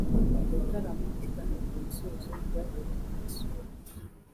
Igitaramo kigana ku musozo byahinduye isura